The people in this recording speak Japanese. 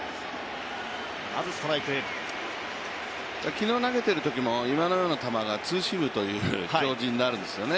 昨日、投げているときも、今のような球がツーシームという表示になるんですね。